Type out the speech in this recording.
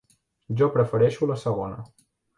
Jo prefereixo la segona.